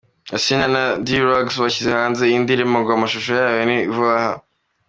Asinah na Dee Rugs bashyize hanze iyi ndirimbo ngo amashusho yayo ni vuba aha.